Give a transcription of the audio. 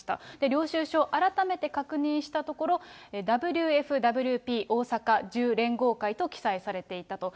領収書を改めて確認したところ、ＷＦＷＰ大阪１０連合会と記載されていたと。